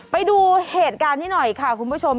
ไปดูเหตุการณ์นี้หน่อยค่ะคุณผู้ชม